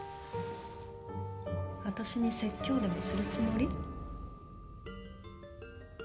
私に説教でもするつもり？